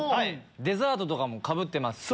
デザートもかぶってますし。